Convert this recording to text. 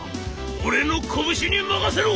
俺の拳に任せろ！